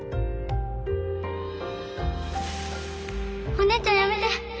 お姉ちゃんやめて！